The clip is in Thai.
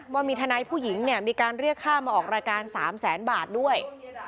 ว่ามีทนายผู้หญิงเนี่ยมีการเรียกค่ามาออกรายการ๓แสนบาทด้วย